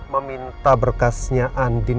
meminta berkasnya andin